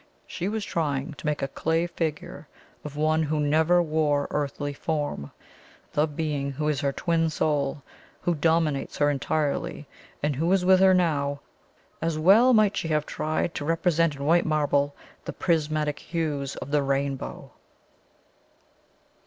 She was trying to make a clay figure of one who never wore earthly form the Being who is her Twin Soul, who dominates her entirely, and who is with her now. As well might she have tried to represent in white marble the prismatic hues of the rainbow!"